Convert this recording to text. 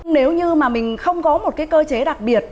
nếu như mà mình không có một cái cơ chế đặc biệt